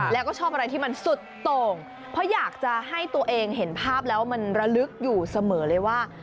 แล้วก็ชอบอะไรที่มันสุดโต่งเพราะอยากจะให้ตัวเองเห็นภาพแล้วมันระลึกอยู่เสมอเลยว่า